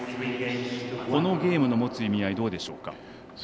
このゲームの持つ意味合いどうでしょうか。